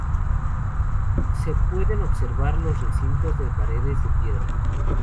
Se pueden observar los recintos de paredes de piedra.